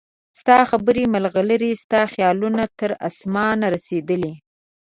ستا خبرې مرغلرې ستا خیالونه تر اسمانه رسیدلي